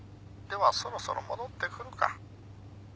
ではそろそろ戻ってくるか。